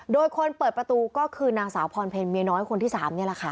โดยคนเปิดประตูก็คือนางสาวพรเพลเมียน้อยคนที่๓นี่แหละค่ะ